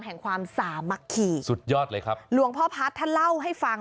ความสามัคคีสุดยอดเลยครับหลวงพ่อพัฒน์ท่านเล่าให้ฟัง